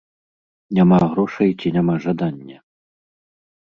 Няма грошай ці няма жадання?